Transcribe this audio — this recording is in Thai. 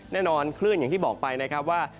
แน่นอนคลื่นอย่างที่บอกไปนะครับว่า